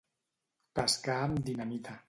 Pescar amb dinamita.